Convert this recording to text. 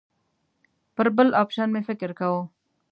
پر بل اپشن مې فکر کاوه.